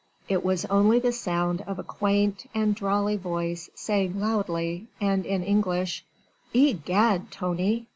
It was only the sound of a quaint and drawly voice saying loudly and in English: "Egad, Tony!